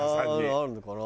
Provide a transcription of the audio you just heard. あるのかな？